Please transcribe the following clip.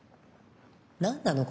何なの？